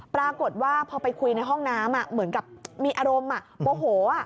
ปรากฏว่าพอไปคุยในห้องน้ำเหมือนกับมีอารมณ์โมโห